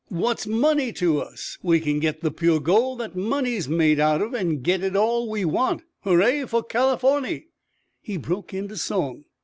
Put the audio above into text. What's money to us? We can git the pure gold that money's made out of, an' git it all we want! Hooray fer Californy!" He broke into song.